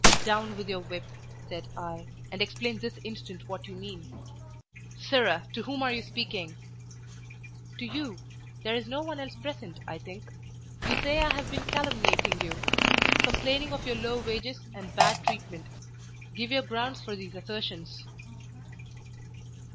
"Down with your whip!" said I, "and explain this instant what you mean." "Sirrah! to whom are you speaking?" "To you. There is no one else present, I think. You say I have been calumniating you complaining of your low wages and bad treatment. Give your grounds for these assertions."